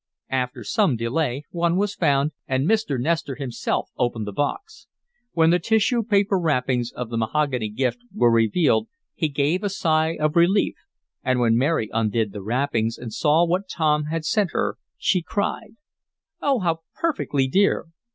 After some delay one was found, and Mr. Nestor himself opened the box. When the tissue paper wrappings of the mahogany gift were revealed he gave a sigh of relief, and when Mary undid the wrappings, and saw what Tom had sent her, she cried: "Oh, how perfectly dear!